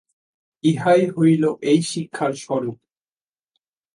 ইহাই হইল এই শিক্ষার স্বরূপ।